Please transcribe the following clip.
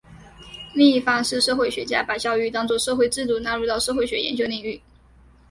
另一方是社会学家把教育当作社会制度纳入到社会学研究领域。